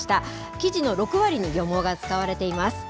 生地の６割に漁網が使われています。